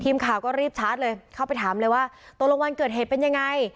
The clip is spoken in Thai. ทีมข่าวก็รีบชาร์จเลยเข้าไปถามเลยว่าตกลงวันเกิดเหตุเป็นยังไง